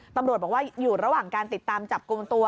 ตำรวจบอกว่าอยู่ระหว่างการติดตามจับกลุ่มตัว